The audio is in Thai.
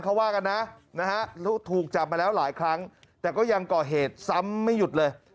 เขาว่ากันนะนะฮะถูกจับมาแล้วหลายครั้งแต่ก็ยังก่อเหตุซ้ำไม่หยุดเลย